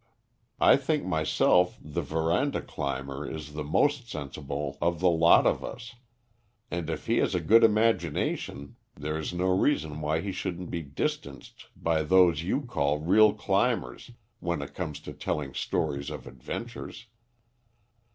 I think myself the verandah climber is the most sensible man of the lot of us; and, if he has a good imagination, there is no reason why he should be distanced by those you call real climbers, when it comes to telling stories of adventures.